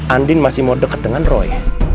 andin masih mau dekat dengan roy